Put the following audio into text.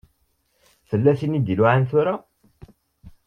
Tella tin i d-iluɛan tura.